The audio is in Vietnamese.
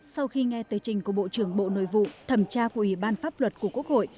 sau khi nghe tới trình của bộ trưởng bộ nội vụ thẩm tra của ủy ban pháp luật của quốc hội